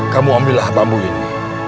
kamu ambillah bambu ini